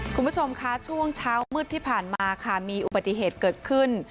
คุณผู้ชมคะช่วงเช้ามืดที่ผ่านมาค่ะมีอุบัติเหตุเกิดขึ้น